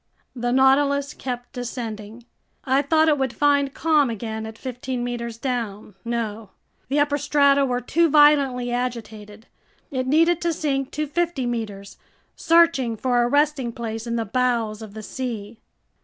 The Nautilus kept descending. I thought it would find calm again at fifteen meters down. No. The upper strata were too violently agitated. It needed to sink to fifty meters, searching for a resting place in the bowels of the sea.